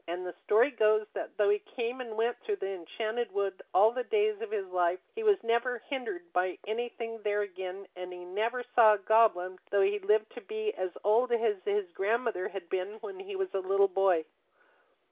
And the story goes that though he came and went through the Enchanted Wood all the days of his life he was never hindered by anything there again; and he never saw a goblin though he lived to be as old as his grandmother had been when he was a little boy.